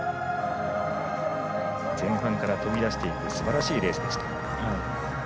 前半から飛び出していくすばらしいレースでした。